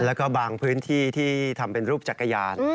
แล้วก็บางพื้นที่ที่ทำเป็นรูปจักรยาน